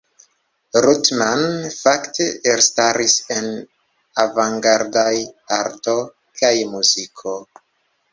Ruttmann fakte elstaris en avangardaj arto kaj muziko.